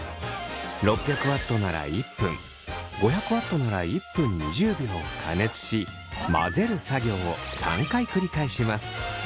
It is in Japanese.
６００Ｗなら１分５００Ｗなら１分２０秒加熱し混ぜる作業を３回繰り返します。